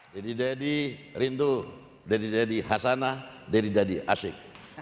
jadi jadi rindu jadi jadi hasanah jadi jadi asyik